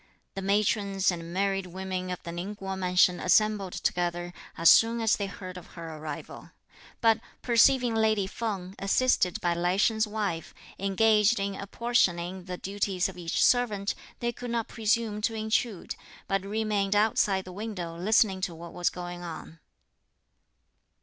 The matrons and married women of the Ning Kuo mansion assembled together, as soon as they heard of her arrival; but, perceiving lady Feng, assisted by Lai Sheng's wife, engaged in apportioning the duties of each servant, they could not presume to intrude, but remained outside the window listening to what was going on.